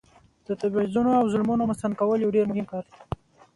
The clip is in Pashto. د تبعیضونو او ظلمونو مستند کول یو ډیر مهم کار دی.